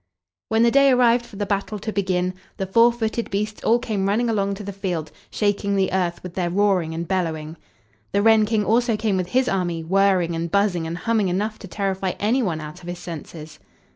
When the day arrived for the battle to begin, the four footed beasts all came running along to the field, shaking the earth with their roaring and bellowing. The wren King also came with his army, whirring and buzzing and humming enough to terrify any one out of his senses.